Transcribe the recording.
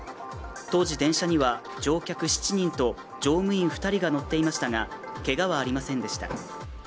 当時、電車には乗客７人と乗務員２人が乗っていましたがけがはありませんでした